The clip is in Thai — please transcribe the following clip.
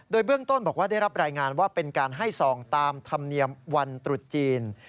โดยเบื้องต้นบอกว่าได้รับรายงานว่าเป็นการให้ซองตามธรรมเนียมวันตรุษจีน